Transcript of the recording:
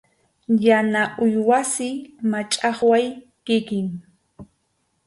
Yana uywasi, machʼaqway kikin.